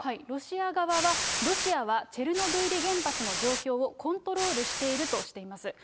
ロシア側は、ロシアはチェルノブイリ原発の状況をコントロールしているとしています。